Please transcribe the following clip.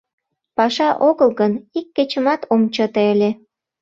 Паша огыл гын, ик кечымат ом чыте ыле.